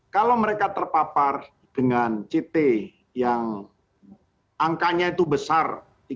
kalau mereka terpapar dengan ct yang angkanya itu besar